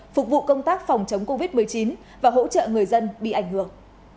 phục vụ công tác phòng chống covid một mươi chín và hỗ trợ người dân bị ảnh hưởng